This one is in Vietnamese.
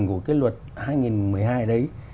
của cái luật hai nghìn một mươi hai đấy